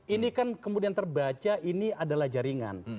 ini kan kemudian terbaca ini adalah jaringan